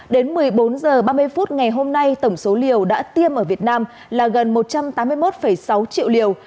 đến một mươi bốn h ba mươi phút ngày hôm nay tổng số liều đã tiêm ở việt nam là gần một trăm tám mươi một sáu triệu liều